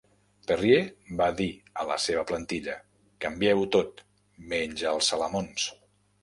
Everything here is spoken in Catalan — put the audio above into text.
Perrier va dir a la seva plantilla: canvieu-ho tot, menys els salamons.